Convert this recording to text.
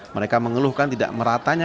mereka mengeluhkan tidak meratanya